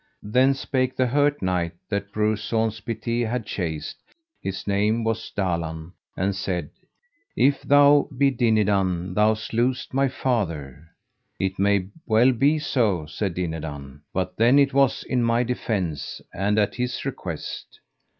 Then spake the hurt knight that Breuse Saunce Pité had chased, his name was Dalan, and said: If thou be Dinadan thou slewest my father. It may well be so, said Dinadan, but then it was in my defence and at his request.